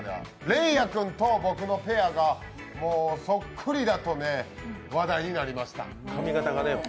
レイアくんと僕のペアがもうそっくりだと話題になりました。